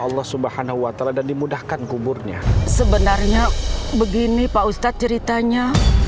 allah subhanahu wa ta'ala dan dimudahkan kuburnya sebenarnya begini pak ustadz ceritanya